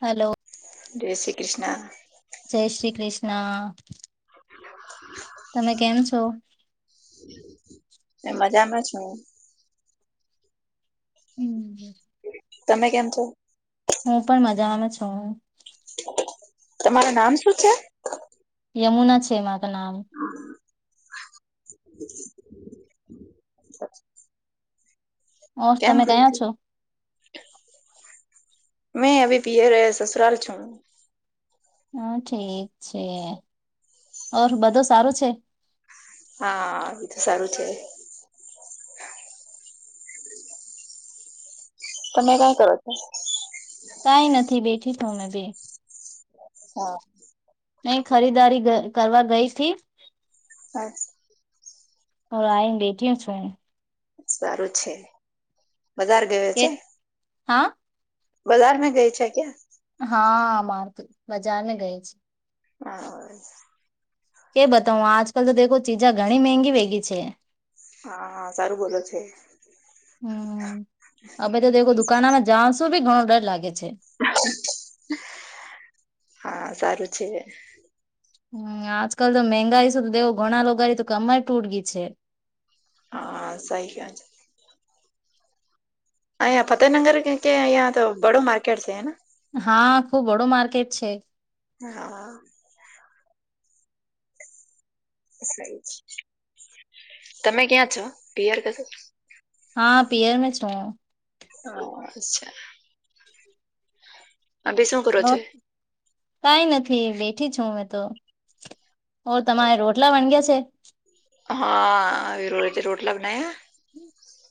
હાલો. જય શ્રી કૃષ્ણ. જય શ્રી કૃષ્ણ. તમે કેમ છો? મેં મજામાં છું. હમ તમે કેમ છો? હું પણ મજામાં છું. તમારું નામ શું છે? યમુના છે મારું નામ. હા ઓર કેમ તમે કયું ક્યા તું છો? હું હવે પિયરે સસરાલ છું. હા, ઠીક છે. ઓર બધું સારું છે? હા, સારું છે. તમે કઈ કરો? કંઈ નથી બેઠી હુ મેભી. હા. કઈ ખરીદારી કરવા ગઈ તી? [unintelligible] ઓર આઈ બેટિયા છું. સારું છે, વધારે એ, હા? બજાર મે ગઈ છે, ક્યા? હા, મારતું બજાર ને ગઈ છે. હા. કે બતાવ આજકાલ તો દેખો ચીજા ઘણી મંગી વેગી છે. હા, સારું બોલો છે. હમ, હ. હવે તો [unintelligible] જાઉશું, ભી ઘણો ડર લાગે છે. હા, સારું છે. હમ, આજકાલ તો મંગાઈ સુધ દેવ ઘણા [unintelligible] તો કમ જ તૂટ ગઈ છે. હા, સહી કહે છે. હા, યા ફતેહનગર કે [unintelligible] બડો માર્કેટ છે, હે. હા, ખુબ વડું માર્કેટ છે. હા. [unintelligible] તમે ક્યાં છો? પિયર કશે? હા, પિયર મે છું હું. હા, અચ્છા. [unintelligible] બે શું? કરો હ, છો કંઈ નથી, બેઠી છું અમે તો. ઓ તમારે રોટલા [unintelligible] છે. હા [unintelligible] રોટલા બનાયા.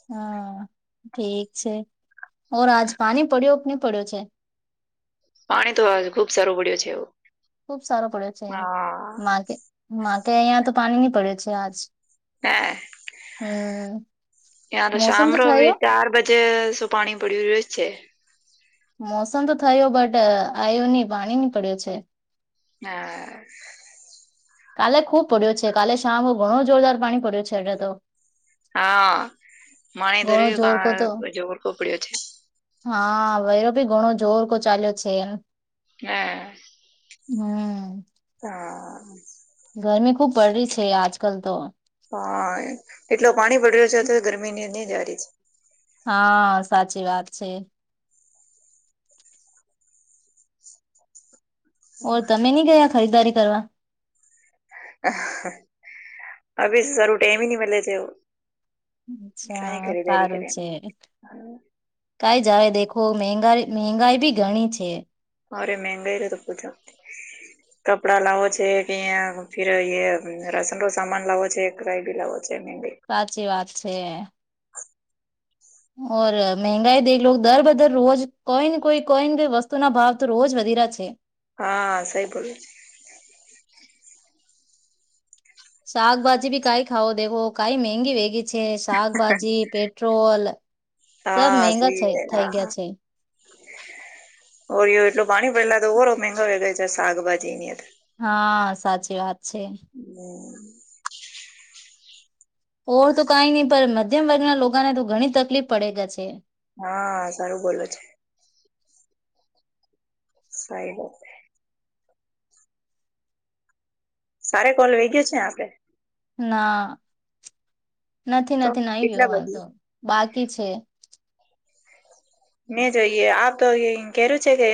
હા, ઠીક છે. ઓર આજ પાણી પડ્યો કે ની પડ્યો છે? પાણી તો આ ખુબ સારું પડ્યો છે, એવો. ખુબ સારો પડ્યો, છે, માટે માટે અહિયાં તો પાણી નહીં પડે છે, આજે. હે [unintelligible] મોસમ તો થયો ચાર [unintelligible] બજે શું પાણી પડ્યું રહ્યું છે. મોસમ તો થયો, બટ આયો ની. પાણી ની પડ્યો છે. હા. કાલે ખુબ પડ્યો છે, કાલે [unintelligible] ઘણો જોરદાર પાણી પડ્યું છે, એટલે તો હા, મારા ધરે ઘણો જોર કો તો પણ જોર માં પડયો છે. હા, વેરો ભી ઘણો જોર કો ચાલ્યો છે, એમ. હા. હમ. હા. [unintelligible] ગરમી ખૂબ પડ રહી છે, આજકાલ તો હા, એટલો પાણી પડ રહ્યો છે, [unintelligible] ગરમી ની અ ન જારી છે. હા, સાચી વાત છે. ઓર તમે નહીં ગયા ખરીદારી કરવા? અભી સારું [unintelligible] [inaudible] કઈ અચ્છા, ખરીદારી સારું કરે છે. કઈ જાય [unintelligible] મગાઈ બી ઘણી છે. મારે મંગાઈ [inaudible] કપડા લાવો છે, કે ફિર રાસનનો સામાન લાવો છે, કાય બી લાવો છે, [unintelligible] સાચી વાત છે. ઓર મંગાઈ દેખલો દર બદર રોજ કોઈ ને કોઈ કોઈ નેઈ વસ્તુ ના ભાવ તો રોજ વધીરા છે. હા, સઈ બોલો. શાકભાજી બી કંઈ [unintelligible] દેવો કંઈ મંગી વેગી છે. છે. શાકભાજી પેટ્રોલ સબ હા મગા સહી હા થઈ હા ગયા છે. ઓરિયો એટલું પાણી પડેલા તો ઓરો મંગા હોય ગયા છે, શાકભાજીની હા, સાચી વાત છે. [inaudible] ઓર તો કઈ નહી પણ મધ્યમ વર્ગના લોકોને તો ઘણી તકલીફ પડે [unintelligible] છે. હા સારું બોલો છે. [inaudible] [inaudible] ના નથી તો નથી નાઈ કેટલા ગયો બધી વાંધો બાકી છે મે જોઈએ આપ તો [inaudible] કેરું છે કે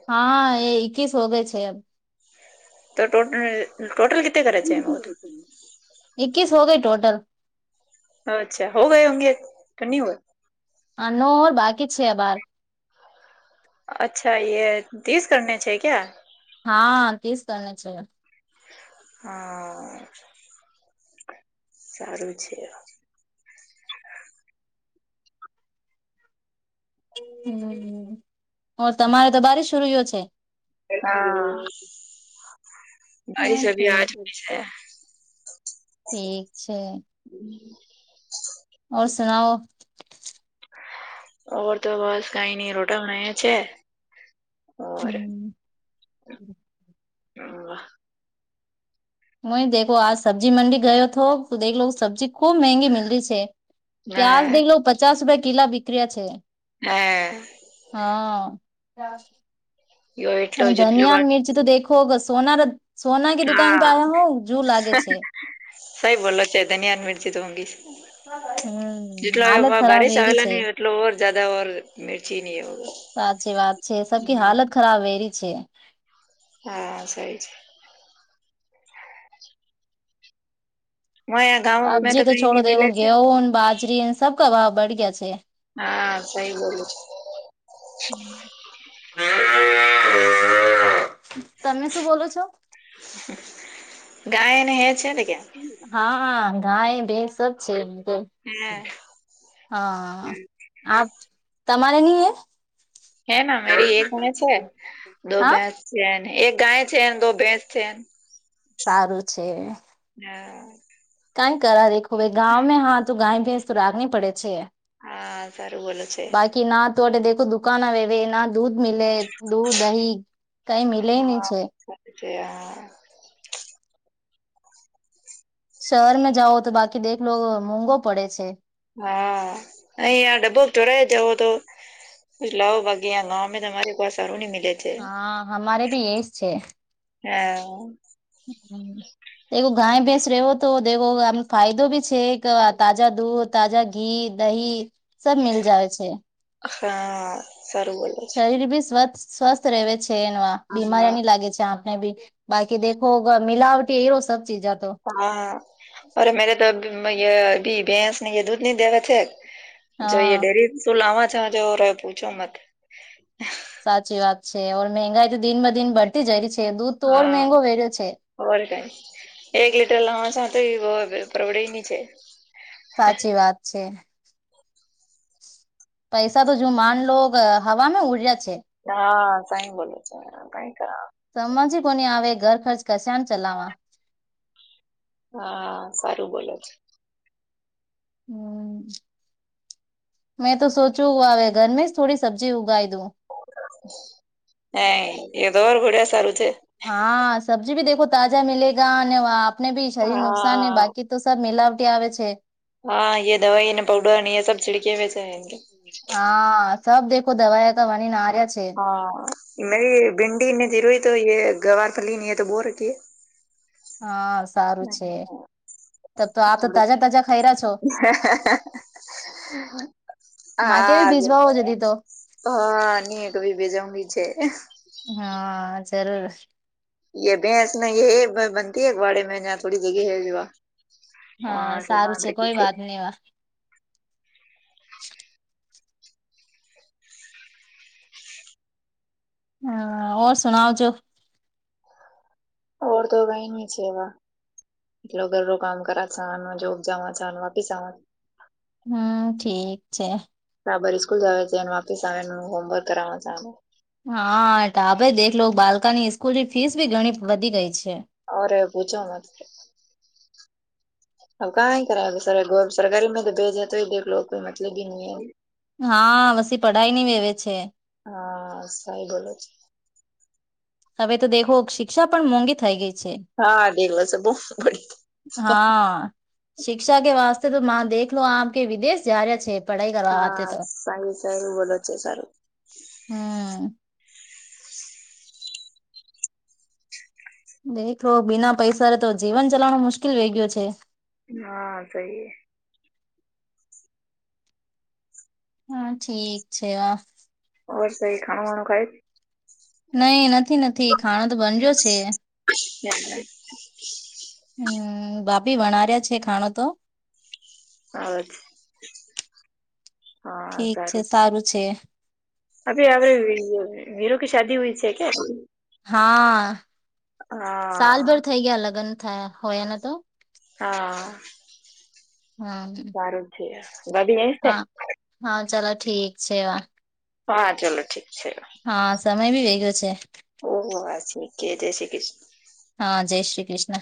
[unintelligible] [unintelligible] [unintelligible] [unintelligible] [unintelligible] [unintelligible] [unintelligible] [unintelligible] હા સારું છે. [unintelligible] [unintelligible] ઠીક છે. હમ [unintelligible] [unintelligible] ઓર હમ્મ. [unintelligible] ને [unintelligible] હે હા યો એટલો જેટલો હા [unintelligible] [unintelligible] હમ હાલત ખરાબ વેરી છે [unintelligible] [unintelligible] [unintelligible] મ [unintelligible] [unintelligible] તમે શું બોલો છો? [unintelligible] ક્યાં [unintelligible] હે [unintelligible] હે હા [unintelligible] સારું છે. [unintelligible] [unintelligible] [unintelligible] [unintelligible] મિલે હી નહી છે [unintelligible] [unintelligible] [unintelligible] [unintelligible] [unintelligible] [unintelligible] [inaudible] [unintelligible] [unintelligible] [unintelligible] શરીર ભી સ્વથ સ્વસ્થ રહે છે એમાં બીમારની લાગે છે આમ. હ ભી બાકી દેખો મિલાવટી એરો સબ ચીજા તો હા અરે મેરે તો અભી ભેંસને એ દૂધ નહી દેવે છે. જોઈએ હા ડેરી શું લાવા જવા જેવો રહ પૂછો મત. સાચી વાત છે ઓર મંગાઈ તો દિન બ દિન બઢતી જઈ રહી છે દૂધ તો ઓર મંગો વે રહ્યો છે. ઓર કઈ એક લીટર લાવાસા તે અ પરવડેની છે. સાચી વાત છે. પૈસા તો જુમાન લોગ હવામાં ઉડ્યા છે. હા સાઈ બોલો છો કઈ કર. સમજ કોની આવે ઘર ખર્ચ કશેમ ચલાવા હા સારું બોલે છે. હમ મેં તો સોચું હવે ઘરમે જ થોડી સબ્જી ઉગાવી દઉ. હાય એ તમ ઘડિયા સારું છેે હા સબ્જી ભી દેખો તાજા મિલેગા અને આપને ભી શરીર નુકસાન હા. બાકી એ તો સબ મેલાવટી આવે છે. હા યે દવાઈ ને પાવડર અને એ સબ છીડકે મે સે આયેંગે. હા સબ દેખો દવાઈ તો વણી ના આર્યા છે. હા મેરી ભિન્ડી ની ધીરઈ તો એ ગવાર ફલીની એ તો બો રખીએ હા સારું છે ત તો આપ તો તાજા તાજા ખાઈ રહ્યા છો. માં કે બી હા. ભીજવાઓ જદી તો હા ની એતો બે બે જણ ભી છે. હા જરૂર. યે ભેંસ ન યે બનતી એક વાડે મે જહા થોડી જગ્યા હે જ અ હા શો સારું માં બેઠી છે. [inaudible] હા ઓર સુણાવજો. ઓર તો [unintelligible] છેવા. એટલો ઘરડ કામ કર છ જોક જાવા છાલ વાપીસ આવા. હમ ઠીક છે. [unintelligible] સ્કૂલ જાવે કેને વાપીસ આવે હોમવર્ક કરાવા ચાલે. હા ટા આપે દેખલો બાલકાની સ્કૂલ ની ફીસ ભી ઘણી વધી ગઈ છે. અરે પૂજા મા હ કાં કરાવ સર સરકારીમાં તો ભેજે તો દેખલો લો કોઈ મતલબ હી નહીં હે. હા પસી પઢાઈ નહી વેવે છે. હા સઈ બોલે છે. હવે તો દેખો શિક્ષા પણ મોંઘી થઈ ગઈ છે. હા દેવસો બોહ બડી. હા શિક્ષા કે વાસ્તે તો મા દેખલો આપ કે વિદેશ જ્યારે છે. પઢાઈ કરવા વાતે હા તો સાહે સારું બોલો છે સારું. હમ. દેખો બિના પૈસા ર તો જીવન ચલાવવાનું મુશ્કેલ વે ગયુ છે. હા સહી. હા ઠીક છે વા. ઓય સે ખાણું વાણું ખાય. નહી નથી નથી ખાણો તો બનજ્યો છે. [inaudible] હમ ભાભી વણાર્યો છે ખાણો તો. હ જ હા ઠીક છે સારું. છે અભી અભી વિરુ કી શાદી હુયી છે કે. હા સાલભર હા થઈ ગયા લગ્ન થયા હોય એના તો. હા હમ સારું જ છે ભા ભીએ છે. હા હા ચાલો ઠીક છે વા હા ચાલો ઠક છે. હા સમય બી વે ગયો છે. ઓહ હ શીખે જય શ કૃષ્ણ હા જય શ્રી કૃષ્ણ